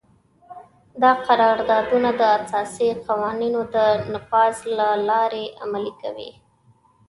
دا قراردادونه د اساسي قوانینو د نفاذ له لارې عملي کوي.